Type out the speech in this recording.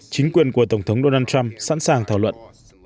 chính quyền của tổng thống donald trump sẵn sàng thảo luận